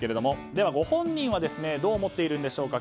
では、ご本人はどう思っているんでしょうか。